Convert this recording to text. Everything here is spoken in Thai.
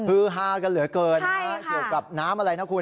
คือฮากันเหลือเกินนะฮะเกี่ยวกับน้ำอะไรนะคุณ